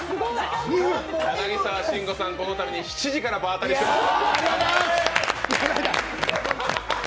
柳沢慎吾さん、このために７時から場当たりしてます。